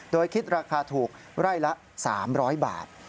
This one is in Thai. โดยคิดราคาถูกไร่ละ๓๐๐บาท